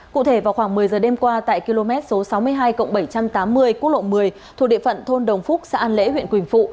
cụ thể vào khoảng một mươi giờ đêm qua tại km số sáu mươi hai bảy trăm tám mươi quốc lộ một mươi thuộc địa phận thôn đồng phúc xã an lễ huyện quỳnh phụ